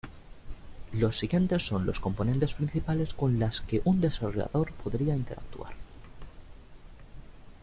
Los siguientes son los componentes principales con las que un desarrollador podría interactuar.